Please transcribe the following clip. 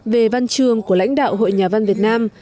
về văn trường của lãnh đạo hội nhà văn việt nam